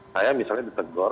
saya misalnya ditegor